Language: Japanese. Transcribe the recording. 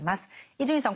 伊集院さん